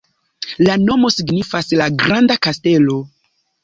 La nomo signifas: "la granda kastelo".